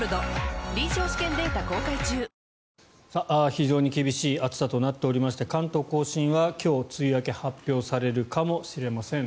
非常に厳しい暑さとなっていまして関東・甲信は今日、梅雨明けが発表されるかもしれません。